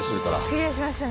クリアしましたね。